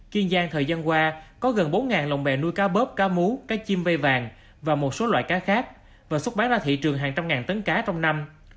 kiên giang thời gian qua có gần bốn lồng bè nuôi cá bớp cá mú cá chim vây vàng và một số loại cá khác và xuất bán ra thị trường hàng trăm ngàn tấn cá trong năm